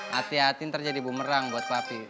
hati hati ntar jadi bumerang buat papi